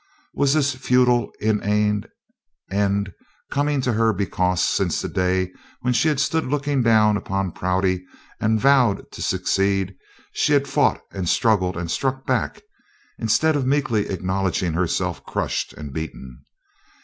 Was this futile inane end coming to her because since that day when she had stood looking down upon Prouty and vowed to succeed she had fought and struggled and struck back, instead of meekly acknowledging herself crushed and beaten?